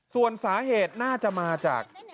ส่วนสาเหตุน่าจะมาจาก